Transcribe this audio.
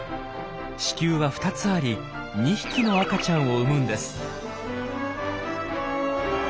子宮は２つあり２匹の赤ちゃんを産むんです。